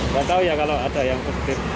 gak tau ya kalau ada yang ketip